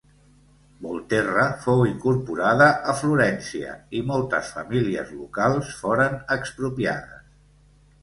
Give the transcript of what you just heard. Volterra fou incorporada a Florència i moltes famílies locals foren expropiades.